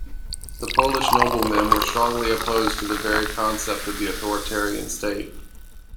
The Polish noblemen were strongly opposed to the very concept of the authoritarian state.